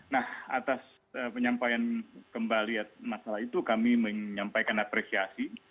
nah atas penyampaian kembali masalah itu kami menyampaikan apresiasi